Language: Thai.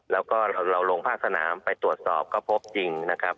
แล้วก็เราลงภาคสนามไปตรวจสอบก็พบจริงนะครับ